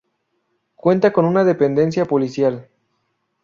Cuenta con una dependencia policial.